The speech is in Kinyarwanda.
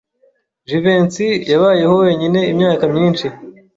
Jivency yabayeho wenyine imyaka myinshi.